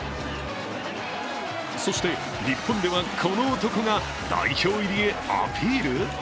そして日本ではこの男が代表入りへアピール？